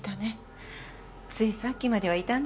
ついさっきまではいたんですけど。